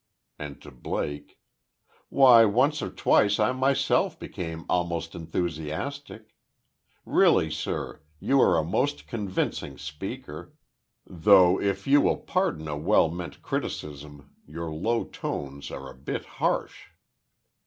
And to Blake: "Why once or twice I myself became almost enthusiastic. Really, sir, you are a most convincing speaker though if you will pardon a well meant criticism, your low tones are a bit harsh."